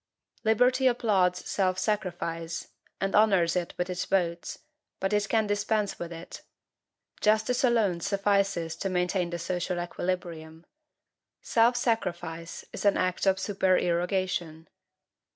Liberty applauds self sacrifice, and honors it with its votes, but it can dispense with it. Justice alone suffices to maintain the social equilibrium. Self sacrifice is an act of supererogation.